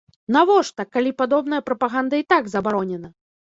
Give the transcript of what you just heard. Навошта, калі падобная прапаганда і так забаронена?